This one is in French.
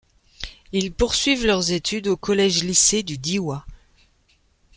Ils poursuivent leurs études au Collège - Lycée du Diois.